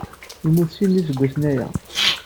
Yemmut sin n iseggasen-aya.